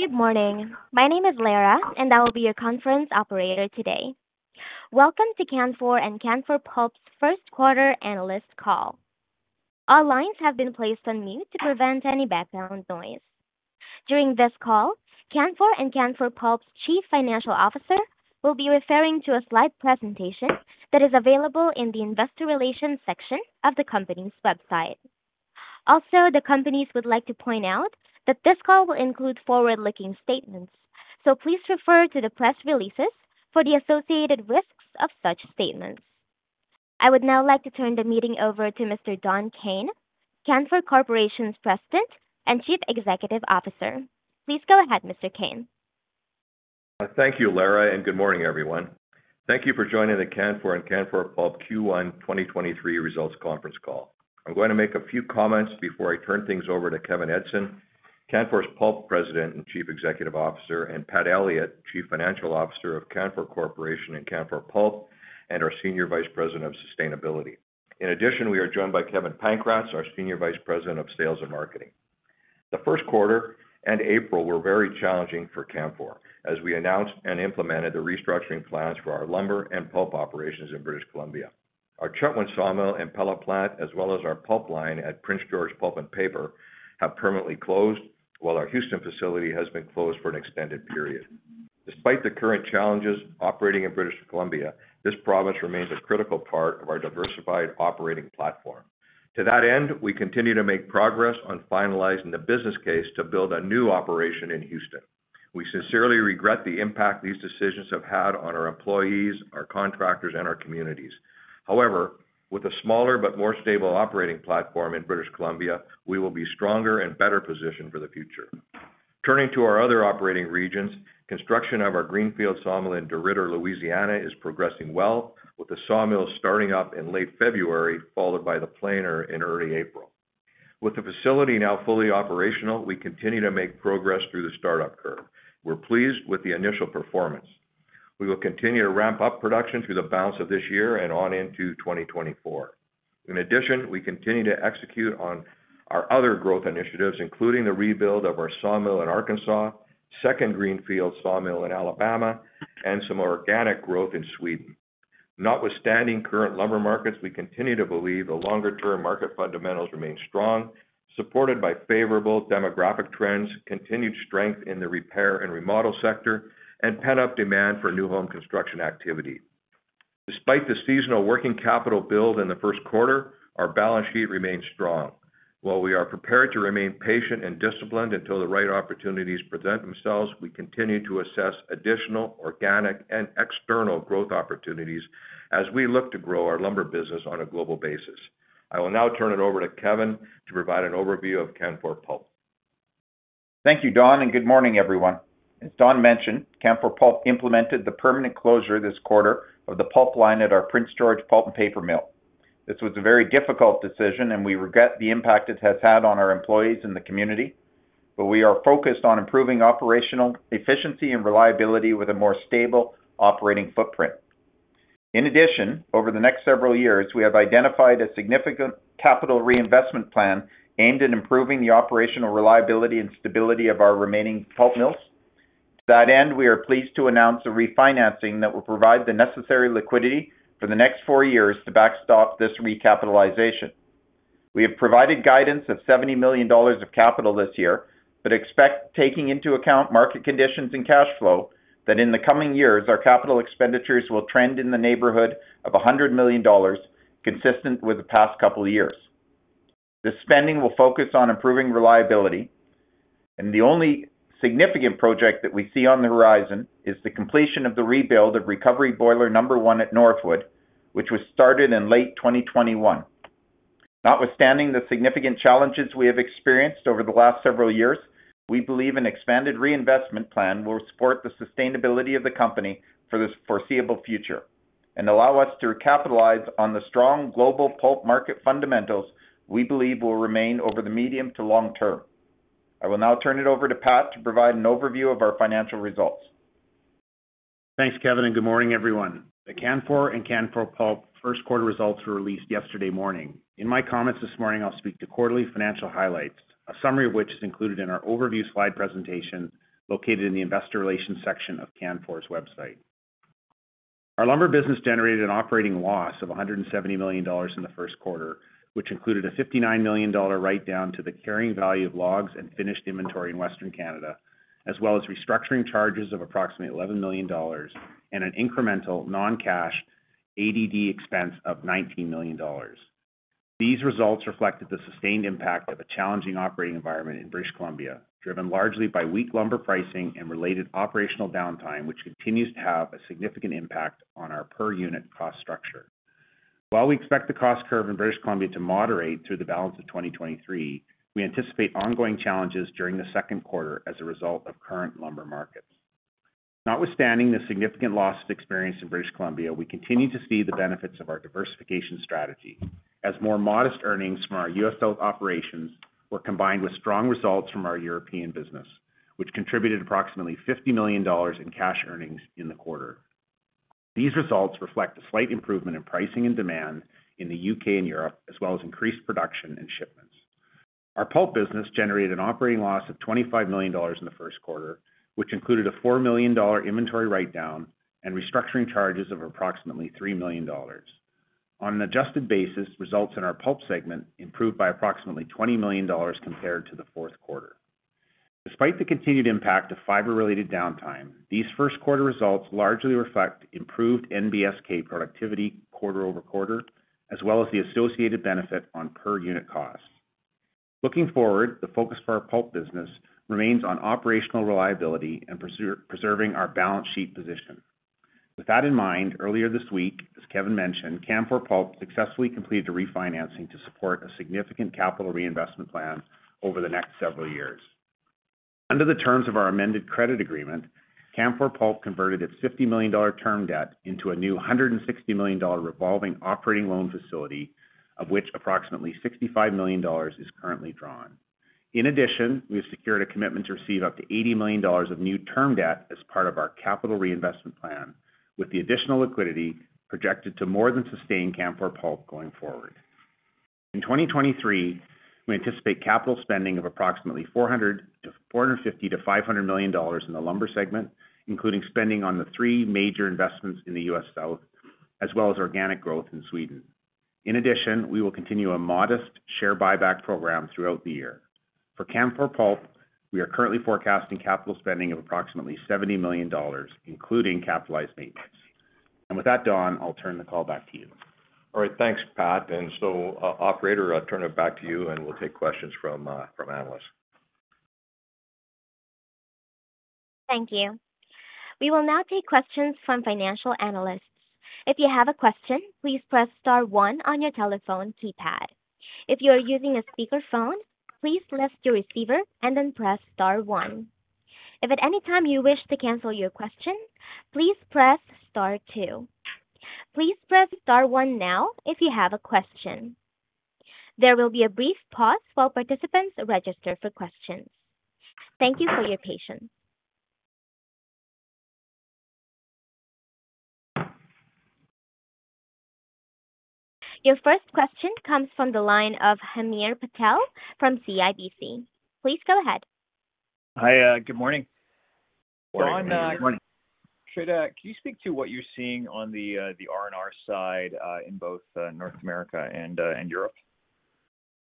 Good morning. My name is Lara, and I will be your conference operator today. Welcome to Canfor and Canfor Pulp's first-quarter analyst call. All lines have been placed on mute to prevent any background noise. During this call, Canfor and Canfor Pulp's Chief Financial Officer will be referring to a slide presentation that is available in the investor relations section of the company's website. Also, the companies would like to point out that this call will include forward-looking statements, so please refer to the press releases for the associated risks of such statements. I would now like to turn the meeting over to Mr. Don Kayne, Canfor Corporation's President and Chief Executive Officer. Please go ahead, Mr. Kayne. Thank you, Lara. Good morning, everyone. Thank you for joining the Canfor and Canfor Pulp Q1 2023 results conference call. I'm going to make a few comments before I turn things over to Kevin Edgson, Canfor Pulp's President and Chief Executive Officer, and Pat Elliott, Chief Financial Officer of Canfor Corporation and Canfor Pulp, and our Senior Vice President of Sustainability. We are joined by Kevin Pankratz, our Senior Vice President of Sales and Marketing. The first-quarter and April were very challenging for Canfor as we announced and implemented the restructuring plans for our lumber and pulp operations in British Columbia. Our Chetwynd sawmill and pellet plant, as well as our pulp line at Prince George Pulp and Paper, have permanently closed, while our Houston facility has been closed for an extended period. Despite the current challenges operating in British Columbia, this province remains a critical part of our diversified operating platform. To that end, we continue to make progress on finalizing the business case to build a new operation in Houston. We sincerely regret the impact these decisions have had on our employees, our contractors, and our communities. However, with a smaller but more stable operating platform in British Columbia, we will be stronger and better positioned for the future. Turning to our other operating regions, construction of our greenfield sawmill in DeRidder, Louisiana, is progressing well, with the sawmill starting up in late February, followed by the planer in early April. With the facility now fully operational, we continue to make progress through the startup curve. We're pleased with the initial performance. We will continue to ramp up production through the balance of this year and on into 2024. In addition, we continue to execute on our other growth initiatives, including the rebuild of our sawmill in Arkansas, second greenfield sawmill in Alabama, and some organic growth in Sweden. Notwithstanding current lumber markets, we continue to believe the longer-term market fundamentals remain strong, supported by favorable demographic trends, continued strength in the repair and remodel sector, and pent-up demand for new home construction activity. Despite the seasonal working capital build in the first-quarter, our balance sheet remains strong. While we are prepared to remain patient and disciplined until the right opportunities present themselves, we continue to assess additional organic and external growth opportunities as we look to grow our lumber business on a global basis. I will now turn it over to Kevin to provide an overview of Canfor Pulp. Thank you, Don, and good morning, everyone. As Don mentioned, Canfor Pulp implemented the permanent closure this quarter of the pulp line at our Prince George Pulp and Paper mill. This was a very difficult decision, and we regret the impact it has had on our employees in the community, but we are focused on improving operational efficiency and reliability with a more stable operating footprint. In addition, over the next several years, we have identified a significant capital reinvestment plan aimed at improving the operational reliability and stability of our remaining pulp mills. To that end, we are pleased to announce a refinancing that will provide the necessary liquidity for the next four years to backstop this recapitalization. We have provided guidance of 70 million dollars of capital this year. Expect taking into account market conditions and cash flow that in the coming years our capital expenditures will trend in the neighborhood of 100 million dollars, consistent with the past couple of years. The spending will focus on improving reliability. The only significant project that we see on the horizon is the completion of the rebuild of recovery boiler number one at Northwood, which was started in late 2021. Notwithstanding the significant challenges we have experienced over the last several years, we believe an expanded reinvestment plan will support the sustainability of the company for the foreseeable future and allow us to capitalize on the strong global pulp market fundamentals we believe will remain over the medium to long term. I will now turn it over to Pat to provide an overview of our financial results. Thanks, Kevin. Good morning, everyone. The Canfor and Canfor Pulp first-quarter results were released yesterday morning. In my comments this morning, I'll speak to quarterly financial highlights, a summary of which is included in our overview slide presentation located in the investor relations section of Canfor's website. Our lumber business generated an operating loss of 170 million dollars in the first-quarter, which included a 59 million dollar write-down to the carrying value of logs and finished inventory in Western Canada, as well as restructuring charges of approximately 11 million dollars and an incremental non-cash ADD expense of 19 million dollars. These results reflected the sustained impact of a challenging operating environment in British Columbia, driven largely by weak lumber pricing and related operational downtime, which continues to have a significant impact on our per-unit cost structure. While we expect the cost curve in British Columbia to moderate through the balance of 2023, we anticipate ongoing challenges during the second quarter as a result of current lumber markets. Notwithstanding the significant losses experienced in British Columbia, we continue to see the benefits of our diversification strategy as more modest earnings from our U.S. South operations were combined with strong results from our European business, which contributed approximately $50 million in cash earnings in the quarter. These results reflect a slight improvement in pricing and demand in the U.K. and Europe, as well as increased production and shipments. Our pulp business generated an operating loss of $25 million in the first-quarter, which included a $4 million inventory write-down and restructuring charges of approximately $3 million. On an adjusted basis, results in our pulp segment improved by approximately 20 million dollars compared to the fourth quarter. Despite the continued impact of fiber-related downtime, these first-quarter results largely reflect improved NBSK productivity quarter-over-quarter, as well as the associated benefit on per unit costs. Looking forward, the focus for our pulp business remains on operational reliability and preserving our balance sheet position. With that in mind, earlier this week, as Kevin mentioned, Canfor Pulp successfully completed a refinancing to support a significant capital reinvestment plan over the next several years. Under the terms of our amended credit agreement, Canfor Pulp converted its 50 million dollar term debt into a new 160 million dollar revolving operating loan facility, of which approximately 65 million dollars is currently drawn. We have secured a commitment to receive up to $80 million of new term debt as part of our capital reinvestment plan, with the additional liquidity projected to more than sustain Canfor Pulp going forward. In 2023, we anticipate capital spending of approximately $450 million-$500 million in the lumber segment, including spending on the three major investments in the U.S. South, as well as organic growth in Sweden. We will continue a modest share buyback program throughout the year. For Canfor Pulp, we are currently forecasting capital spending of approximately $70 million, including capitalized maintenance. With that, Don, I'll turn the call back to you. All right, thanks, Pat. Operator, I'll turn it back to you, and we'll take questions from analysts. Thank you. We will now take questions from financial analysts. If you have a question, please press star one on your telephone keypad. If you are using a speakerphone, please lift your receiver and then press star one. If at any time you wish to cancel your question, please press star two. Please press star one now if you have a question. There will be a brief pause while participants register for questions. Thank you for your patience. Your first question comes from the line of Hamir Patel from CIBC. Please go ahead. Hi, good morning. Good morning. Don, can you speak to what you're seeing on the R&R side, in both North America and Europe?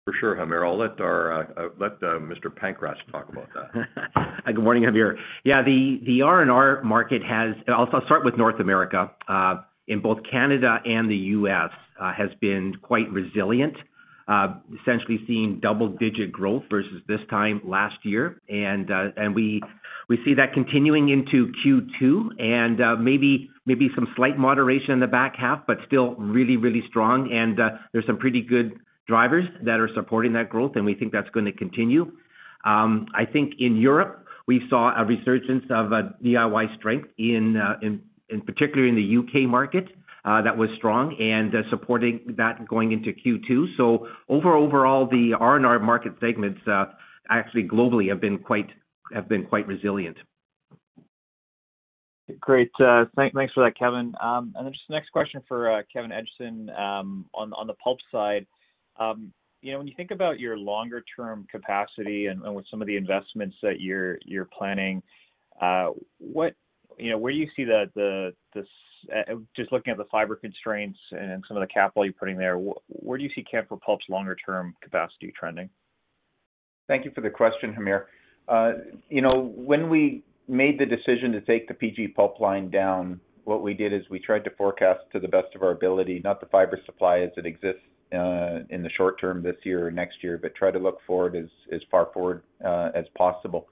For sure, Hamir. I'll let Mr. Pankratz talk about that. Good morning, Hamir. Yeah, the R&R market I'll start with North America, in both Canada and the U.S., has been quite resilient, essentially seeing double-digit growth versus this time last year. We see that continuing into Q2 and maybe some slight moderation in the back half, but still really strong. There's some pretty good drivers that are supporting that growth, and we think that's gonna continue. I think in Europe, we saw a resurgence of DIY strength in particular in the U.K. market that was strong and supporting that going into Q2. Overall, the R&R market segments actually globally have been quite resilient. Great. Thanks for that, Kevin. Just the next question for Kevin Edgson on the pulp side. You know, when you think about your longer term capacity and with some of the investments that you're planning, you know, where do you see the just looking at the fiber constraints and some of the capital you're putting there, where do you see Canfor Pulp's longer-term capacity trending? Thank you for the question, Hamir. you know, when we made the decision to take the PG Pulp line down, what we did is we tried to forecast to the best of our ability, not the fiber supply as it exists in the short term this year or next year, but try to look forward as far forward as possible.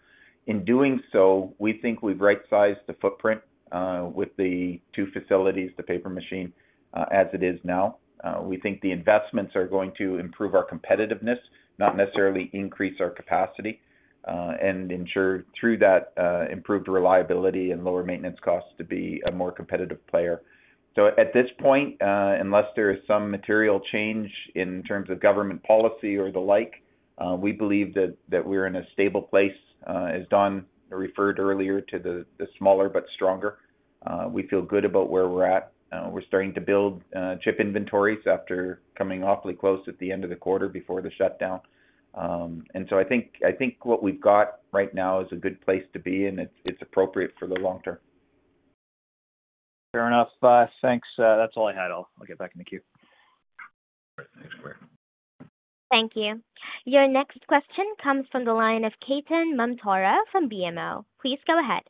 In doing so, we think we've right-sized the footprint with the two facilities, the paper machine as it is now. We think the investments are going to improve our competitiveness, not necessarily increase our capacity, and ensure, through that, improved reliability and lower maintenance costs to be a more competitive player. At this point, unless there is some material change in terms of government policy or the like, we believe that we're in a stable place. As Don referred earlier to the smaller but stronger, we feel good about where we're at. We're starting to build chip inventories after coming awfully close at the end of the quarter before the shutdown. I think what we've got right now is a good place to be, and it's appropriate for the long term. Fair enough. Thanks. That's all I had. I'll get back in the queue. All right. Thanks, Hamir. Thank you. Your next question comes from the line of Ketan Mamtora from BMO. Please go ahead.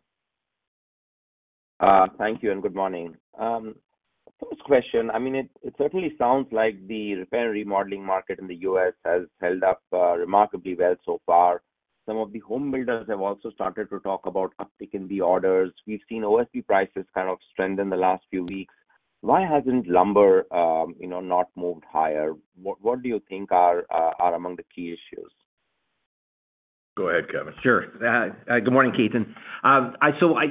Thank you. Good morning. First question, I mean, it certainly sounds like the repair and remodeling market in the U.S. has held up remarkably well so far. Some of the home builders have also started to talk about uptick in the orders. We've seen OSB prices kind of strengthen the last few weeks. Why hasn't lumber, you know, not moved higher? What do you think are among the key issues? Go ahead, Kevin. Sure. Good morning, Ketan.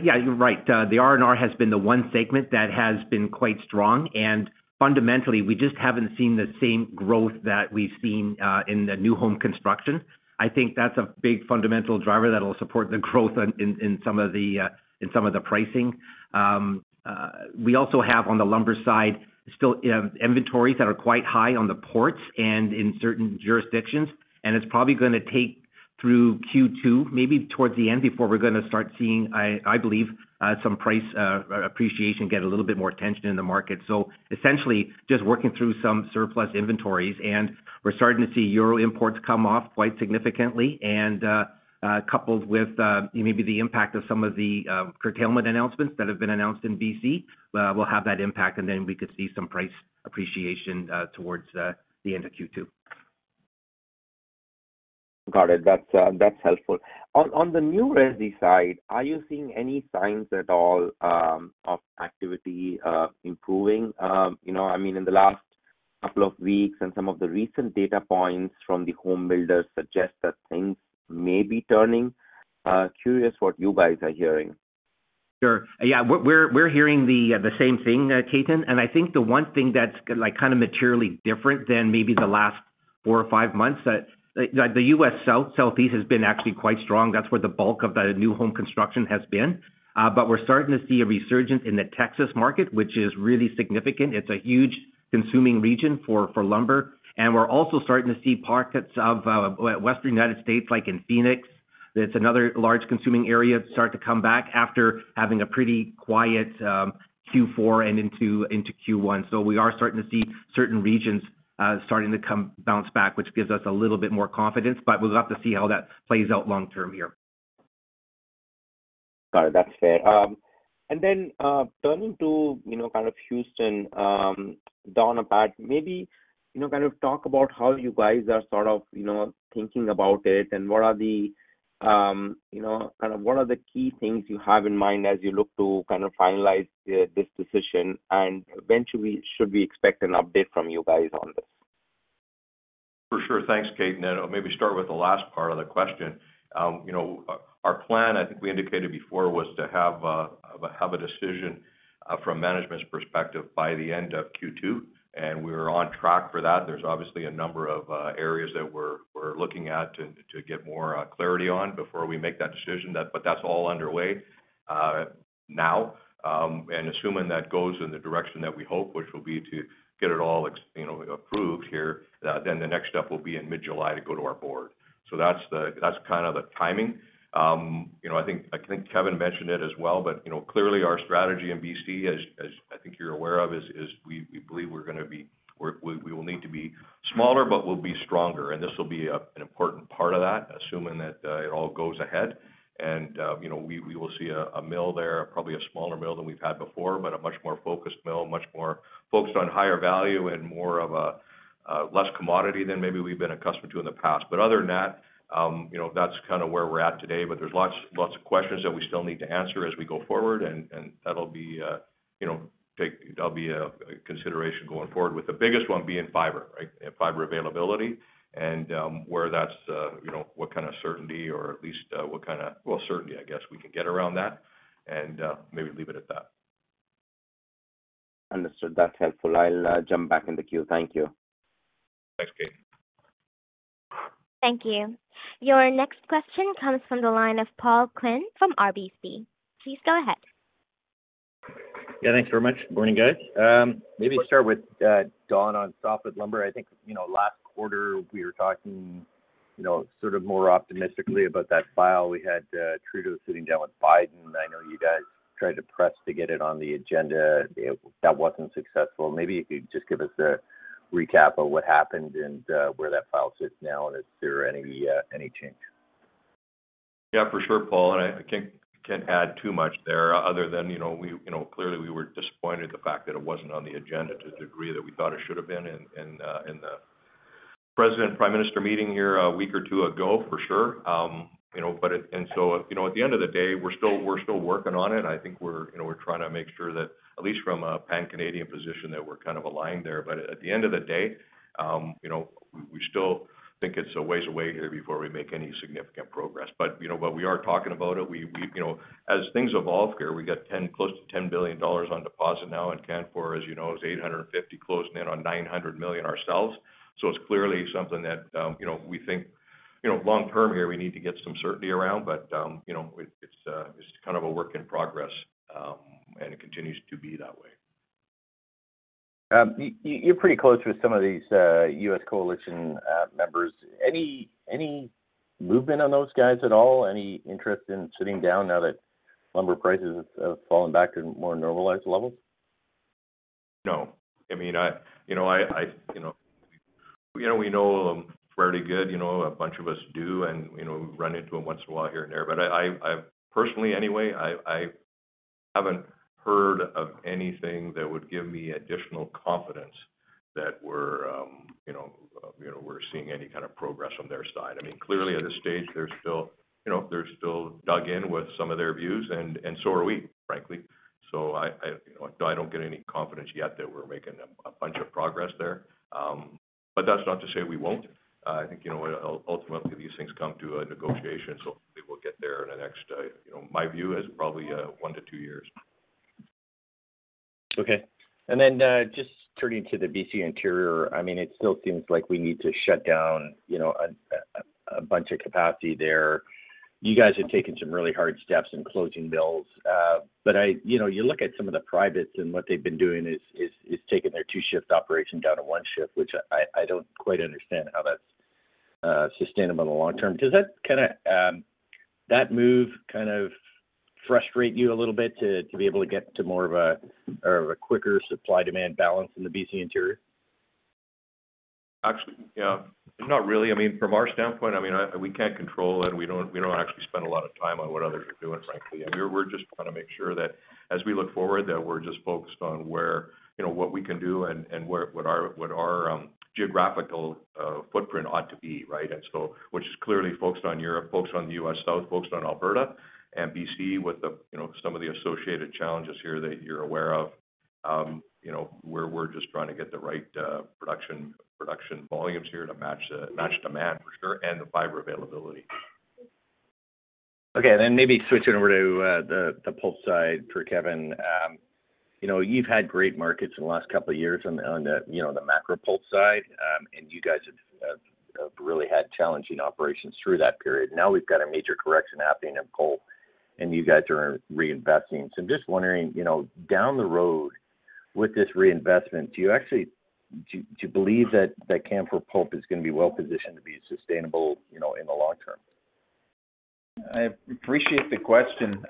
Yeah, you're right. The R&R has been the one segment that has been quite strong, and fundamentally, we just haven't seen the same growth that we've seen in the new home construction. I think that's a big fundamental driver that'll support the growth in some of the pricing. We also have on the lumber side still inventories that are quite high on the ports and in certain jurisdictions, and it's probably gonna take through Q2, maybe towards the end, before we're gonna start seeing, I believe, some price appreciation get a little bit more attention in the market. Essentially, just working through some surplus inventories, and we're starting to see euro imports come off quite significantly, and coupled with maybe the impact of some of the curtailment announcements that have been announced in BC, will have that impact, and then we could see some price appreciation towards the end of Q2. Got it. That's helpful. On the new residential side, are you seeing any signs at all of activity improving? You know, I mean, in the last couple of weeks, and some of the recent data points from the home builders suggest that things may be turning. Curious what you guys are hearing. Sure. Yeah. We're hearing the same thing, Ketan. I think the one thing that's like, kind of materially different than maybe the last four or five months that the U.S. South, Southeast has been actually quite strong. That's where the bulk of the new home construction has been. We're starting to see a resurgence in the Texas market, which is really significant. It's a huge consuming region for lumber. We're also starting to see pockets of western United States, like in Phoenix. That's another large consuming area start to come back after having a pretty quiet Q4 and into Q1. We are starting to see certain regions starting to come bounce back, which gives us a little bit more confidence, but we'd love to see how that plays out long term here. Got it. That's fair. Turning to, you know, kind of Houston, Don, about maybe, you know, kind of talk about how you guys are sort of, you know, thinking about it and what are the, you know, kind of what are the key things you have in mind as you look to kind of finalize this decision? When should we expect an update from you guys on this? For sure. Thanks, Ketan. I'll maybe start with the last part of the question. You know, our plan, I think we indicated before, was to have a, have a, have a decision from management's perspective by the end of Q2, and we're on track for that. There's obviously a number of areas that we're looking at to get more clarity on before we make that decision. That's all underway now, and assuming that goes in the direction that we hope, which will be to get it all, you know, approved here, then the next step will be in mid-July to go to our board. That's the, that's kind of the timing. You know, I think Kevin mentioned it as well, you know, clearly our strategy in BC, as I think you're aware of, is we believe we will need to be smaller, but we'll be stronger. This will be an important part of that, assuming that it all goes ahead. You know, we will see a mill there, probably a smaller mill than we've had before, but a much more focused mill, much more focused on higher value and more of a less commodity than maybe we've been accustomed to in the past. Other than that, you know, that's kind of where we're at today. There's lots of questions that we still need to answer as we go forward, and that'll be, you know, that'll be a consideration going forward, with the biggest one being fiber, right? Fiber availability and where that's, you know, what kind of certainty or at least, what kind of Well, certainty, I guess, we can get around that and maybe leave it at that. Understood. That's helpful. I'll jump back in the queue. Thank you. Thanks, Ketan. Thank you. Your next question comes from the line of Paul Quinn from RBC. Please go ahead. Yeah, thanks very much. Morning, guys. Maybe start with, Don on softwood lumber. I think, you know, last quarter we were talking, you know, sort of more optimistically about that file. We had Trudeau sitting down with Biden. I know you guys tried to press to get it on the agenda. That wasn't successful. Maybe if you could just give us a recap of what happened and where that file sits now, and is there any change? Yeah, for sure, Paul, I can't add too much there other than, you know, we, you know, clearly we were disappointed the fact that it wasn't on the agenda to the degree that we thought it should have been in the president and prime minister meeting here a week or two ago, for sure. So, you know, but it. You know, at the end of the day, we're still working on it. I think we're, you know, we're trying to make sure that at least from a pan-Canadian position, that we're kind of aligned there. At the end of the day, you know, we still think it's a ways away here before we make any significant progress. You know, but we are talking about it. As things evolve here, we got close to 10 billion dollars on deposit now, and Canfor, as you know, is 850 million, closing in on 900 million ourselves. It's clearly something that, you know, we think, you know, long term here, we need to get some certainty around. You know, it's kind of a work in progress, and it continues to be that way. You're pretty close with some of these U.S. coalition members. Any movement on those guys at all? Any interest in sitting down now that lumber prices have fallen back to more normalized levels? No. I mean, I, you know, I, you know, you know, we know, fairly good, you know, a bunch of us do and, you know, run into them once in a while here and there. I've personally anyway, I haven't heard of anything that would give me additional confidence that we're, you know, you know, we're seeing any kind of progress on their side. I mean, clearly at this stage, there's, you know, they're still dug in with some of their views and so are we, frankly. I, you know, I don't get any confidence yet that we're making a bunch of progress there. That's not to say we won't. I think, you know, ultimately these things come to a negotiation, so hopefully we'll get there in the next, you know, my view is probably, one to two years. Okay. Then, just turning to the BC Interior, I mean, it still seems like we need to shut down, you know, a bunch of capacity there. You guys have taken some really hard steps in closing mills. You know, you look at some of the privates and what they've been doing is taking their 2-shift operation down to one shift, which I don't quite understand how that's sustainable in the long term. Does that kinda, that move kind of frustrate you a little bit to be able to get to more of a, or a quicker supply-demand balance in the BC Interior? Actually, yeah. Not really. I mean, from our standpoint, I mean, we can't control it. We don't actually spend a lot of time on what others are doing, frankly. I mean, we're just trying to make sure that as we look forward, that we're just focused on where, you know, what we can do and where, what our, what our geographical footprint ought to be, right? Which is clearly focused on Europe, focused on the U.S. South, focused on Alberta and BC with the, you know, some of the associated challenges here that you're aware of. You know, we're just trying to get the right production volumes here to match demand for sure and the fiber availability. Okay. Maybe switching over to the pulp side for Kevin. You know, you've had great markets in the last couple of years on the, you know, the macro pulp side. You guys have really had challenging operations through that period. Now we've got a major correction happening in pulp and you guys are reinvesting. I'm just wondering, you know, down the road with this reinvestment, do you believe that Canfor Pulp is gonna be well positioned to be sustainable, you know, in the long term? I appreciate the question.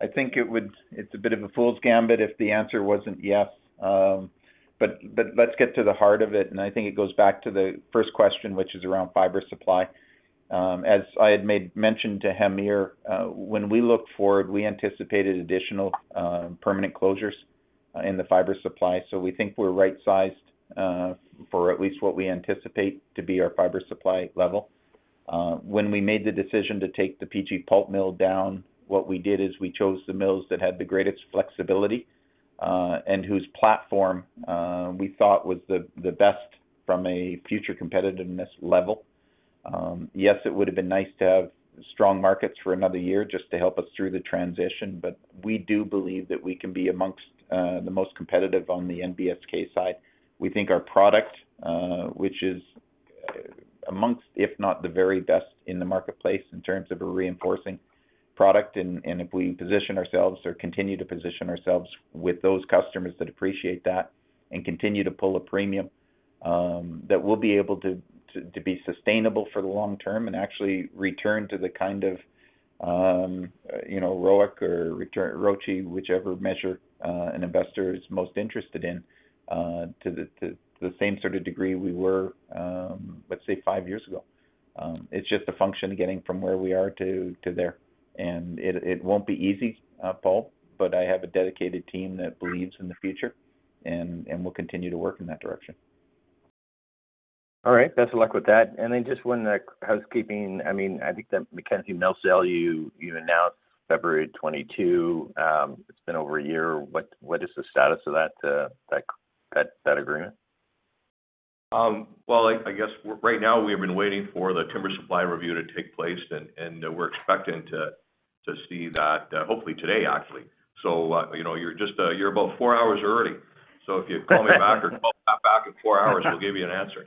It's a bit of a fool's gambit if the answer wasn't yes. Let's get to the heart of it, and I think it goes back to the first question, which is around fiber supply. As I had made mention to Hamir Patel, when we look forward, we anticipated additional permanent closures in the fiber supply. We think we're right-sized for at least what we anticipate to be our fiber supply level. When we made the decision to take the PG Pulp mill down, what we did is we chose the mills that had the greatest flexibility, and whose platform we thought was the best from a future competitiveness level. Yes, it would have been nice to have strong markets for another year just to help us through the transition. We do believe that we can be amongst the most competitive on the NBSK side. We think our product, which is amongst, if not the very best in the marketplace in terms of a reinforcing product, and if we position ourselves or continue to position ourselves with those customers that appreciate that and continue to pull a premium, that we'll be able to be sustainable for the long term and actually return to the kind of, you know, ROIC or return ROIC, whichever measure, an investor is most interested in, to the same sort of degree we were, let's say five years ago. It's just a function of getting from where we are to there. It won't be easy, Paul, but I have a dedicated team that believes in the future and will continue to work in that direction. All right. Best of luck with that. Just one, housekeeping. I mean, I think the Mackenzie mill sale you announced February 2022. It's been over a year. What is the status of that agreement? Well, I guess right now we have been waiting for the Timber Supply Review to take place and we're expecting to see that hopefully today, actually. You know, you're just, you're about four hours early. If you call me back or call Paul back in four hours, we'll give you an answer.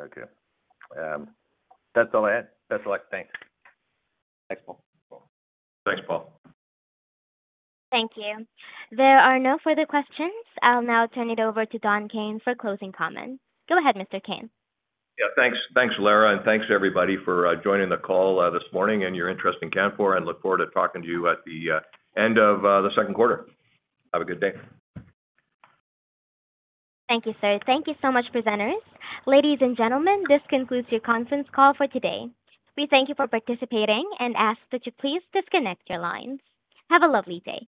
Okay. That's all I had. Best of luck. Thanks. Thanks, Paul. Thanks, Paul. Thank you. There are no further questions. I'll now turn it over to Don Kayne for closing comments. Go ahead, Mr. Kayne. Yeah, thanks. Thanks, Lara, and thanks everybody for joining the call this morning and your interest in Canfor. I look forward to talking to you at the end of the second quarter. Have a good day. Thank you, sir. Thank you so much, presenters. Ladies and gentlemen, this concludes your conference call for today. We thank you for participating and ask that you please disconnect your lines. Have a lovely day.